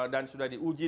dan sudah diuji